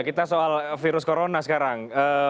kita soal virus corona sekarang